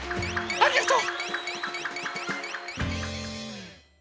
ありがとう。